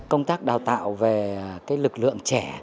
công tác đào tạo về cái lực lượng trẻ